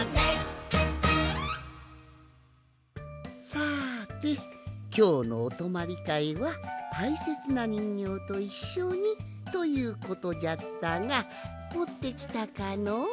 さてきょうのおとまりかいはたいせつなにんぎょうといっしょにということじゃったがもってきたかの？